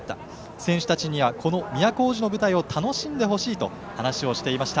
選手たちにはこの都大路の舞台を楽しんでほしいと話をしていました。